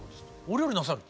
お料理なさる？